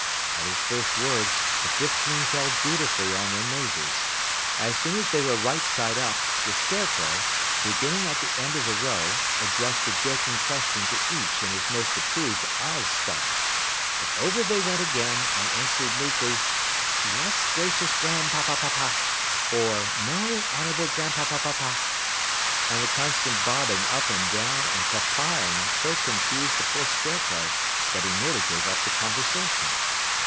At his first word, the fifteen fell dutifully on their noses. As soon as they were right side up, the Scarecrow, beginning at the end of the row, addressed a joking question to each in his most approved Oz style. But over they went again, and answered merely: "Yes, gracious Grand papapapah!" or "No honorable Grandpapapapah!" And the constant bobbing up and down and papahing so confused the poor Scarecrow that he nearly gave up the conversation.